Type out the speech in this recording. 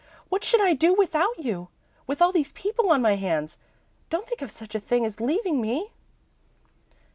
What should I do without you, with all these people on my hands? Don't think of such a thing as leaving me!"